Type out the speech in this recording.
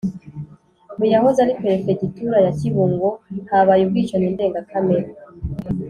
Mu yahoze ari Perefegitura ya Kibungo habaye ubwicanyi ndengakamere